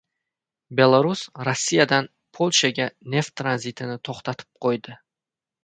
Belarus Rossiyadan Polshaga neft tranzitini to‘xtatib qo‘ydi